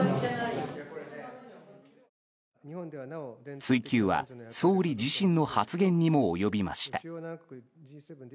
追及は総理自身の発言にも及びました。